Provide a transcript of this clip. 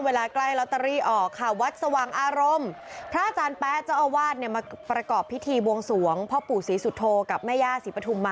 วัดสว่างอารมณ์พระอาจารย์แป๊ตเจ้าอาวาส